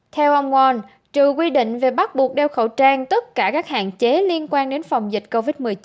theo ông ngoan trừ quy định về bắt buộc đeo khẩu trang tất cả các hạn chế liên quan đến phòng dịch covid một mươi chín